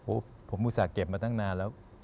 ผมอุตส่าห์เก็บมาตั้งนานแล้ว